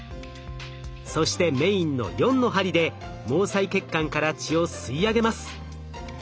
そしてメインの４の針で毛細血管から血を吸い上げます。